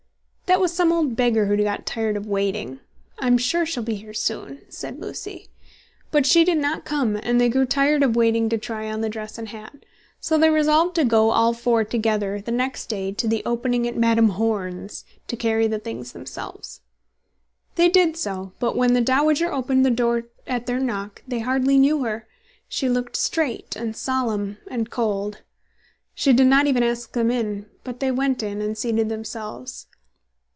"That was some old beggar who got tired of waiting. I'm sure she'll be here soon," said Lucy. But she did not come, and they grew tired of waiting to try on the dress and hat. So they resolved to go, all four together, the next day, to the "opening at Madam Horn's," and carry the things themselves. They did so; but when the "dowager" opened the door at their knock, they hardly knew her. She looked straight, and solemn, and cold. She did not even ask them in; but they went in and seated themselves.